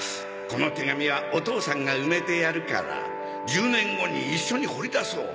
この手紙はお父さんが埋めてやるから１０年後に一緒に掘り出そう。